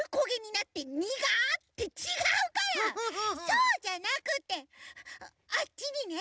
そうじゃなくてあっちにね